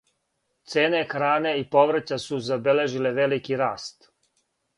Цене хране и поврћа су забележиле велики раст.